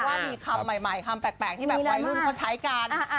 ว่ามีคำใหม่คำแปลกที่แบบวัยรุ่นเขาใช้กัน